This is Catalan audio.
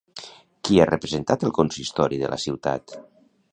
Qui ha representat el consistori de la ciutat?